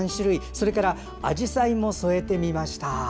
それからアジサイも添えてみました。